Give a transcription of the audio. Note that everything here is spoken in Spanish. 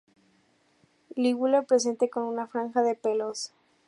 Lígula presente; con una franja de pelos.